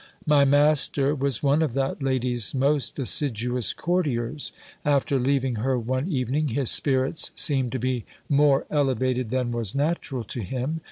My master was one of that lady's most assiduous courtiers. After leaving her one evening, his spirits seemed to be more elevated than was natural to him.